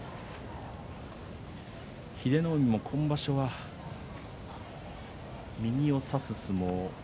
英乃海も今場所は右を差す相撲。